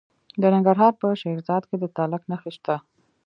د ننګرهار په شیرزاد کې د تالک نښې شته.